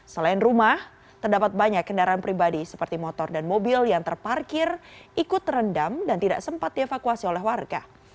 selain rumah terdapat banyak kendaraan pribadi seperti motor dan mobil yang terparkir ikut terendam dan tidak sempat dievakuasi oleh warga